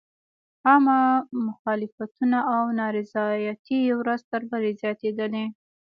عامه مخالفتونه او نارضایتۍ ورځ تر بلې زیاتېدلې.